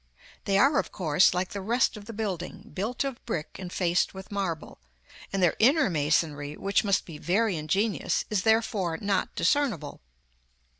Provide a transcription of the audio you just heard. They are of course, like the rest of the building, built of brick and faced with marble, and their inner masonry, which must be very ingenious, is therefore not discernible.